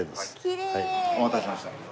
きれい！お待たせしました。